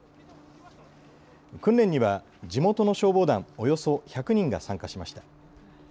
訓練には地元の消防団およそ１００人が参加しました。